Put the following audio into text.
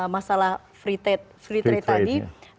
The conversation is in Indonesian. masalah free trade tadi